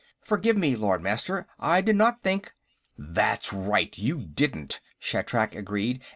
"Forgive me, Lord Master. I did not think...." "That's right; you didn't," Shatrak agreed.